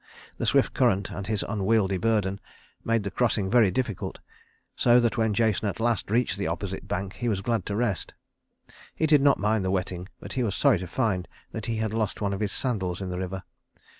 The swift current and his unwieldy burden made the crossing very difficult, so that when Jason at last reached the opposite bank, he was glad to rest. He did not mind the wetting, but he was sorry to find that he had lost one of his sandals in the river.